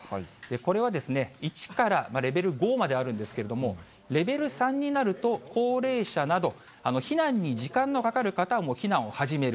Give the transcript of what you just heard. これは１からレベル５まであるんですけれども、レベル３になると、高齢者など、避難に時間のかかる方は、もう避難を始める。